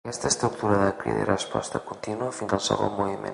Aquesta estructura de crida i resposta continua fins al segon moviment.